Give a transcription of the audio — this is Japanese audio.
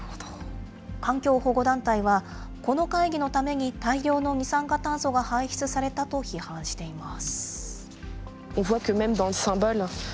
環境保護団体は、この会議のために大量の二酸化炭素が排出されたと批判しています。